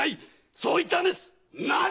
そう言ったんですっ！